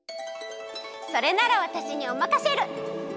それならわたしにおまかシェル。